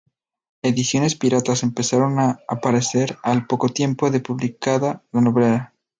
Ediciones piratas empezaron a aparecer al poco tiempo de publicada la novela.